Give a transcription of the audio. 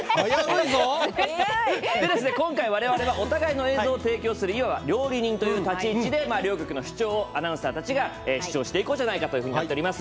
今回は我々がお互いの映像を提供するいわば料理人という立ち位置で両局のアナウンサーたちが主張していこうと思っております。